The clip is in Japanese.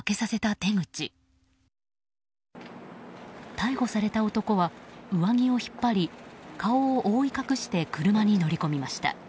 逮捕された男は上着を引っ張り顔を覆い隠して車に乗り込みました。